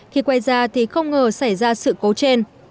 khi quay ra thì không ngờ xảy ra sự cố trên